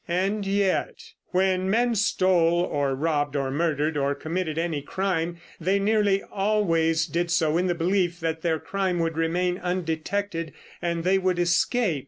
And yet.... When men stole or robbed or murdered or committed any crime, they nearly always did so in the belief that their crime would remain undetected and they would escape.